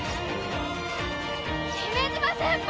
姫島先輩。